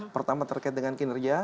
pertama terkait dengan kinerja